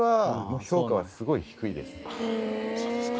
あそうですか。